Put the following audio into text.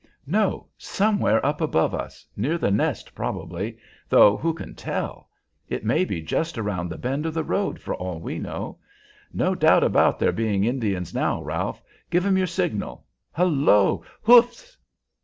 "No, somewhere up above us, near the Nest, probably, though who can tell? It may be just round the bend of the road, for all we know. No doubt about there being Indians now, Ralph, give 'em your signal. Hullo! Hoofs!"